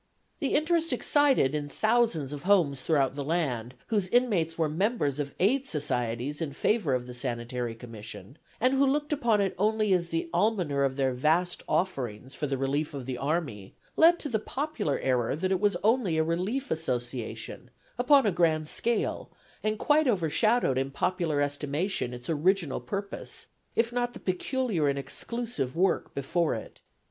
The interest excited in thousands of homes throughout the land, whose inmates were members of aid societies in favor of the Sanitary Commission, and who looked upon it only as the almoner of their vast offerings for the relief of the army, led to the popular error that it was only a relief association upon a grand scale and quite overshadowed in popular estimation its original purpose, if not the peculiar and exclusive work before it.